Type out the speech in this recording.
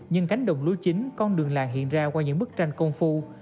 những cánh đồng lũ chính con đường làng hiện ra qua những bức tranh công phu